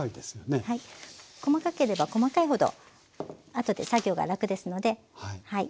細かければ細かいほどあとで作業が楽ですのではい。